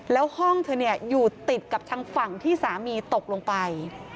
แล้วห้องเธออยู่ติดกับทางฝั่งที่สามีตกลงไป